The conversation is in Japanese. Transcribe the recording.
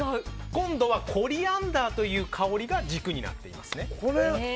今度はコリアンダーという香りが軸になっていますね。